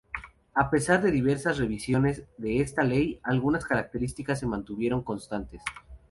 A pesar de diversas revisiones de esta ley, algunas características se mantuvieron constantes.